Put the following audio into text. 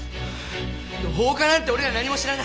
放火なんて俺ら何も知らな。